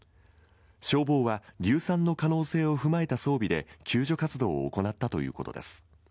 消防は硫酸の可能性を踏まえた装備で救助活動を行ったということです。